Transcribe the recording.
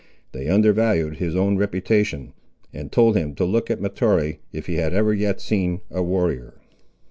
They undervalued his own reputation, and told him to look at Mahtoree, if he had never yet seen a warrior.